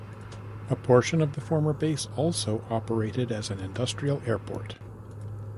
A portion of the former base also operated as an industrial airport.